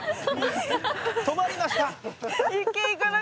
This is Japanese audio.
止まりました！